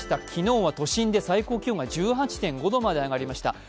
昨日は都心で最高気温が１８．５度まで上がりました。